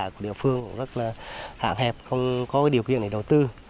của địa phương cũng rất là hạn hẹp không có điều kiện để đầu tư